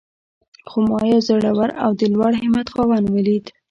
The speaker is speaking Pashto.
خو ما يو زړور او د لوړ همت خاوند وليد.